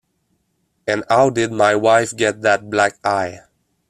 And how did my wife get that black eye?